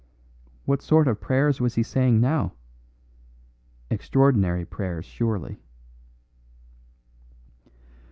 What sort of prayers was he saying now? Extraordinary prayers surely.